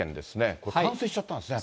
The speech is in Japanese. これ冠水しちゃったんですね、